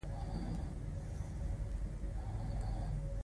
بزګر له خولې، بادې او بارانه نه وېرېږي نه